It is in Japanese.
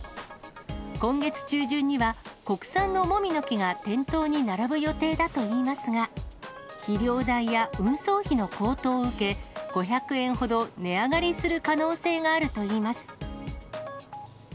今月中旬には、国産のもみの木が店頭に並ぶ予定だといいますが、肥料代や運送費の高騰を受け、５００円ほど値上がりする可能性があるといいます。